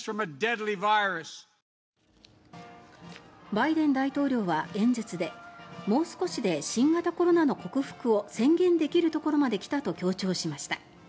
バイデン大統領は演説でもう少しで新型コロナの克服を宣言できるところまで来たと強調しました。